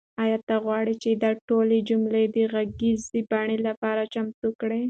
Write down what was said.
آیا ته غواړې چې دا ټولې جملې د غږیزې بڼې لپاره چمتو کړم؟